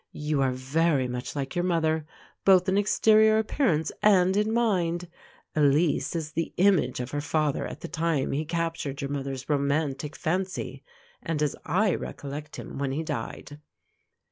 You are very much like your mother, both in exterior appearance and in mind. Elise is the image of her father at the time he captured your mother's romantic fancy, and as I recollect him when he died.